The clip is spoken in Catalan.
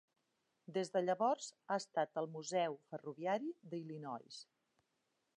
Des de llavors ha estat al Museu ferroviari d'Illinois.